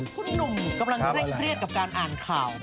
ผู้หนุ่มกำลังเครียดกับการอ่านคร่าว